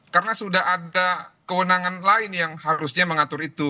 karena sudah ada kewenangan lain yang harusnya mengatur itu